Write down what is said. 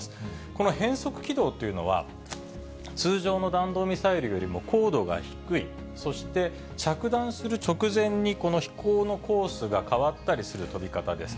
この変則軌道というのは、通常の弾道ミサイルよりも高度が低い、そして着弾する直前に、この飛行のコースが変わったりする飛び方です。